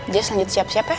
jas lanjut siap siap ya